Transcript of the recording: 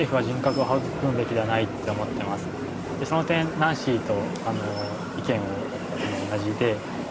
その点ナンシーとあの意見同じで。